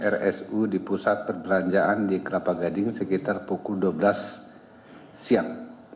rsu di pusat perbelanjaan di kelapa gading sekitar pukul dua belas siang